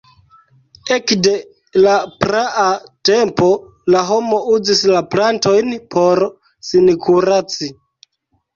Ekde la praa tempo la homo uzis la plantojn por sin kuraci.